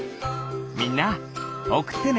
みんなおくってね！